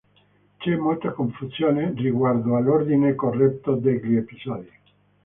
C'è molta confusione riguardo all'ordine "corretto" degli episodi.